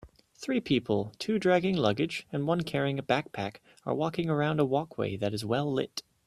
Three people two dragging luggage and one carrying a backpack are walking along a walkway that is well lit